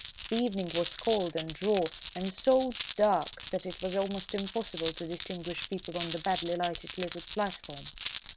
The evening was cold and raw and so dark that it was almost impossible to distinguish people on the badly lighted little platform.